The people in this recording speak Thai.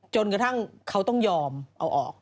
จนกระทั่งเขาต้องยอมเอาออก